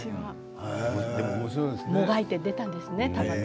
もがいて出てきたんですね。